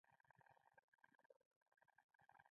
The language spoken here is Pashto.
دا حرکتونه په ځینو حیواناتو کې لیدل کېږي.